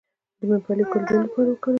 د ممپلی ګل د وینې لپاره وکاروئ